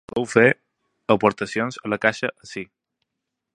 Podeu fer aportacions a la caixa ací.